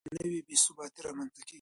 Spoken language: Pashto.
که زده کړه نه وي، بې ثباتي رامنځته کېږي.